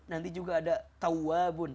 nanti juga ada tawabun